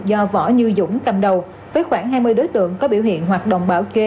do võ như dũng cầm đầu với khoảng hai mươi đối tượng có biểu hiện hoạt động bảo kê